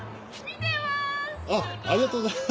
ありがとうございます。